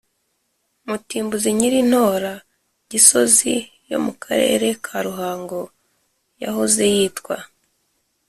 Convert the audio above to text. mutimbuzi nyiri i ntora: gisozi yo mu karere ka ruhango yahoze yitwa